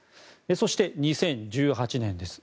そして、２０１８年です。